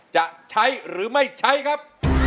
จะใช้หรือไม่ใช้ครับ